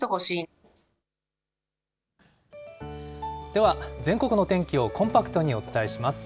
では、全国の天気をコンパクトにお伝えします。